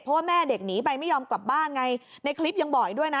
เพราะว่าแม่เด็กหนีไปไม่ยอมกลับบ้านไงในคลิปยังบอกอีกด้วยนะ